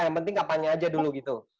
yang penting kapannya aja dulu gitu